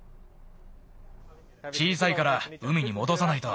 小さいから海にもどさないと。